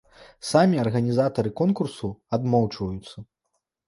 Самі арганізатары конкурсу адмоўчваюцца.